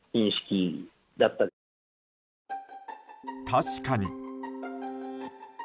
確かに。